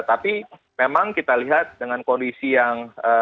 tapi memang kita lihat dengan kondisi yang